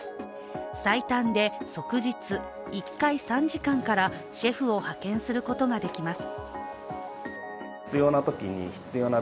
最短で即日、１回３時間からシェフを派遣することができます。